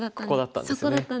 ここだったんですね。